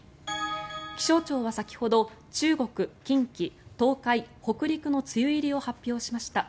気象庁は先ほど中国、近畿、東海、北陸の梅雨入りを発表しました。